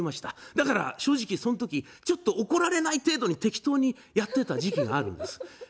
だから正直その時怒られない程度に適当にやっていた時期があるんです。